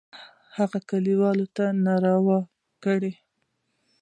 هغه کلیوالو ته نارې کړې.